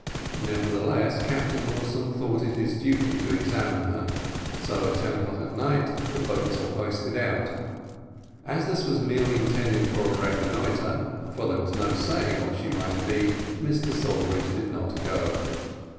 Nevertheless, Captain Wilson thought it his duty to examine her; so at ten o'clock at night the boats were hoisted out: as this was merely intended for a reconnoitre, for there was no saying what she might be, Mr Sawbridge did not go.